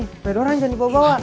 tidak ada orang jangan dibawa bawa